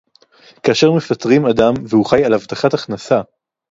כאשר מפטרים אדם והוא חי על הבטחת הכנסה